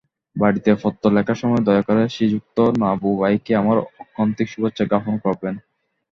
বাড়ীতে পত্র লেখার সময় দয়া করে শ্রীযুক্ত নাভুভাইকে আমার ঐকান্তিক শুভেচ্ছা জ্ঞাপন করবেন।